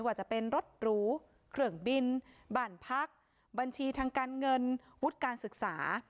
ว่าจะเป็นรถหรูเครื่องบินบ้านพักบัญชีทางการเงินวุฒิการศึกษา